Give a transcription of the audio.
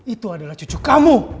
itu adalah cucu kamu